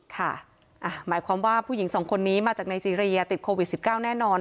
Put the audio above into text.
หมายความว่าผู้หญิงสองคนนี้มาจากไนซีเรียติดโควิด๑๙แน่นอน